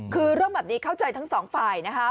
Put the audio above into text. คือเรื่องแบบนี้เข้าใจทั้งสองฝ่ายนะคะ